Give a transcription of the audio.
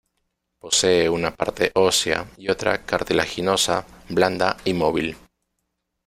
Posee una parte ósea y otra cartilaginosa, blanda y móvil.